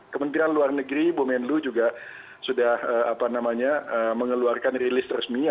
kementerian luar negeri bumenlu juga sudah mengeluarkan rilis resmi